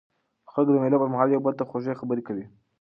خلک د مېلو پر مهال یو بل ته خوږې خبري کوي.